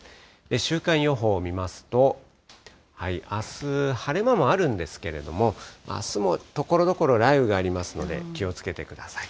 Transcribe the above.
週間予報を見ますと、あす、晴れ間もあるんですけれども、あすもところどころ、雷雨がありますので、気をつけてください。